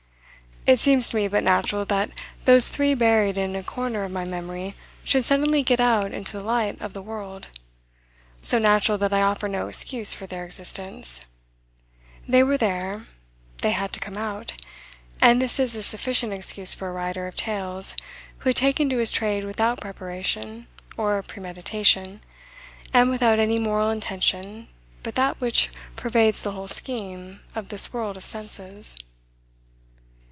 It seems to me but natural that those three buried in a corner of my memory should suddenly get out into the light of the world so natural that I offer no excuse for their existence, They were there, they had to come out; and this is a sufficient excuse for a writer of tales who had taken to his trade without preparation, or premeditation, and without any moral intention but that which pervades the whole scheme of this world of senses.